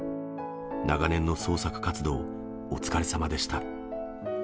長年の創作活動、お疲れさまでした。